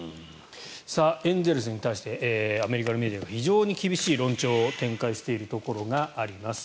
エンゼルスに対してアメリカのメディアが非常に厳しい論調を展開しているところがあります。